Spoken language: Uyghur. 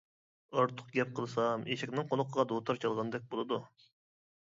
ئارتۇق گەپ قىلسام، ئېشەكنىڭ قۇلىقىغا دۇتار چالغاندەك بولىدۇ.